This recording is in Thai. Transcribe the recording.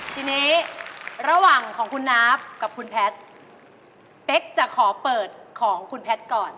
ทีนี้ระหว่างของคุณน้ากับคุณแพทย์เป๊กจะขอเปิดของคุณแพทย์ก่อน